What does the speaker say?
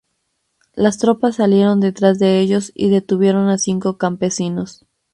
Las tropas salieron detrás de ellos y detuvieron a cinco campesinos.